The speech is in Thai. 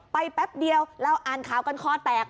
ไปแป๊บเดียวแล้วอ่านข่ากรรครรค์แตก